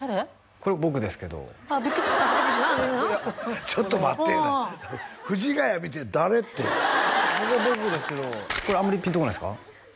これ僕ですけどビックリした何ですかちょっと待ってえな藤ヶ谷見て「誰？」って僕ですけどこれあんまりピンとこないですか？